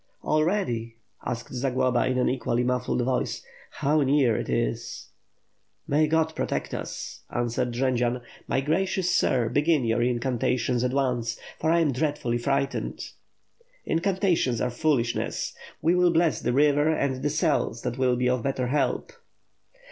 "Already!" asked Zaglaba, in an equally mufiBed voice, "how near it is ..." "May Grod protect us I" answered Jendzian. "My gracious sir, begin your incantations at once, for I am dreadfully frightened." "Incantations are foolishness! We will bless the river and the cells that will be of better help."